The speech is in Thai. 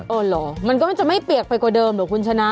เหรอมันก็จะไม่เปียกไปกว่าเดิมเหรอคุณชนะ